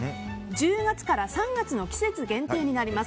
１０月から３月の季節限定になります。